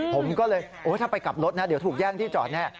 ผมก็เลยถ้าไปกลับรถนะเดี๋ยวถูกแย่งที่จอดแน่